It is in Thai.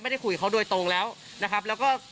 ได้คุยกับเขาโดยตรงแล้วนะครับแล้วก็